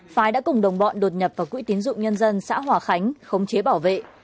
phái đã cùng đồng bọn đột nhập vào quỹ tiến dụng nhân dân xã hòa khánh khống chế bảo vệ